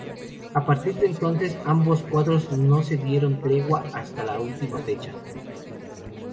A partir de entonces, ambos cuadros no se dieron tregua, hasta la última fecha.